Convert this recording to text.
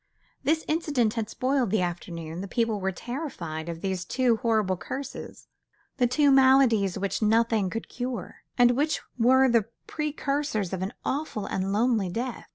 This incident had spoilt the afternoon. The people were terrified of these two horrible curses, the two maladies which nothing could cure, and which were the precursors of an awful and lonely death.